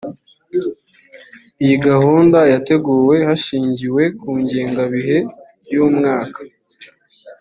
iyi gahunda yateguwe hashingiwe ku ngengabihe y umwaka